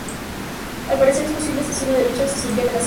Al parecer el posible asesino de Richard se sintió amenazado.